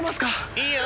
いいよ。